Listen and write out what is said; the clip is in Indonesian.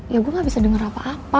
ya gue gak bisa dengar apa apa